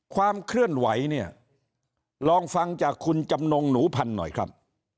ความเคลื่อนไหวเนี่ยลองฟังจากคุณจำนงหนูพันธุ์หน่อยครับ